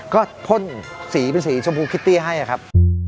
ก็พ่นสีเป็นสีชมพูคิตตี้ให้ครับ